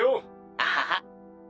アハハ。